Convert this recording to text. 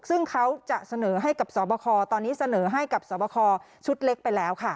ซึ่งเขาจะเสนอให้กับสอบคอตอนนี้เสนอให้กับสวบคอชุดเล็กไปแล้วค่ะ